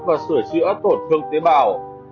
và sửa chữa tổn thương tế bào